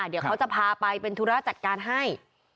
เดี๋ยวเขาจะพาไปเป็นธุระจัดการให้